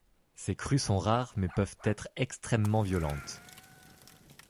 Ces crues sont rares mais peuvent être extrêmement violentes.